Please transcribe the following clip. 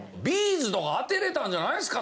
’ｚとか当てれたんじゃないんですか？